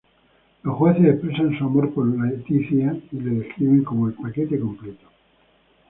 Los jueces expresan su amor por Letitia y la describen como "el paquete completo".